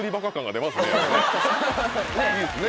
いいですね。